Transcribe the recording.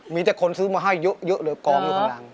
มีแต่คนซื้อมาให้เยอะเลยกองอยู่ข้างหลัง